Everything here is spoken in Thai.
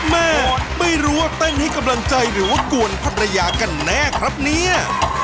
แม่ไม่รู้ว่าเต้นให้กำลังใจหรือว่ากวนภรรยากันแน่ครับเนี่ย